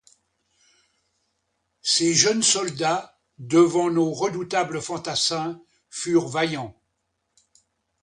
Ces jeunes soldats, devant nos redoutables fantassins, furent vaillants.